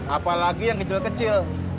apalagi yang kecil kecil